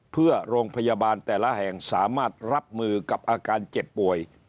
เพื่อโรงพยาบาลแต่ละแห่งสามารถรับมือกับอาการเจ็บป่วย